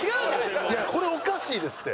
いやこれおかしいですって。